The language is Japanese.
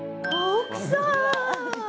奥さん！